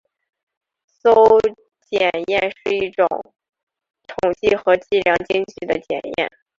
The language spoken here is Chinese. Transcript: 邹检验是一种统计和计量经济的检验。